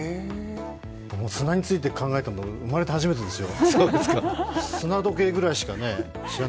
砂について考えたのは生まれて初めてですよ。